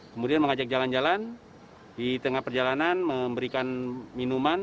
kemudian mengajak jalan jalan di tengah perjalanan memberikan minuman